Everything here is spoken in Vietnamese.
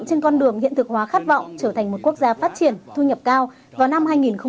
trên con đường hiện thực hóa khát vọng trở thành một quốc gia phát triển thu nhập cao vào năm hai nghìn năm mươi